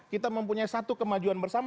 kita mempunyai satu kemajuan bersama